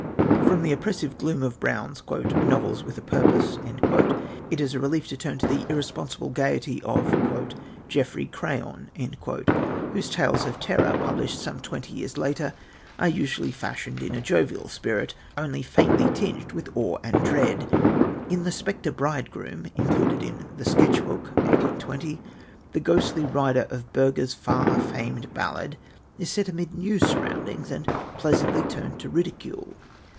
From the oppressive gloom of Brown's "novels with a purpose," it is a relief to turn to the irresponsible gaiety of "Geoffrey Crayon," whose tales of terror, published some twenty years later, are usually fashioned in a jovial spirit, only faintly tinged with awe and dread. In The Spectre Bridegroom, included in The Sketch Book (1820), the ghostly rider of Bürger's far famed ballad is set amid new surroundings and pleasantly turned to ridicule.